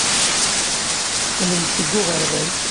Qqlen-d seg uɣerbaz.